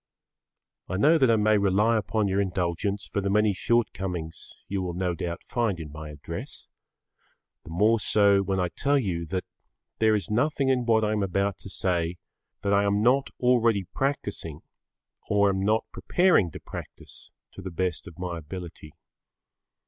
I know that I may rely upon your indulgence for the many shortcomings you will no doubt find in my address, the more so when I tell you that there is nothing in what I am about to say that I am not either already practising or am not preparing to practise to the best of my ability.